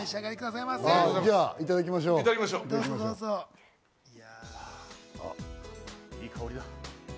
いい香りだ。